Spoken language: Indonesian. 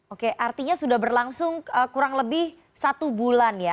oke artinya sudah berlangsung kurang lebih satu bulan ya